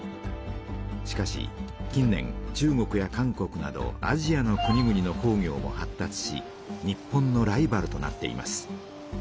しかし近年中国や韓国などアジアの国々の工業も発達し日本のライバルとなっています。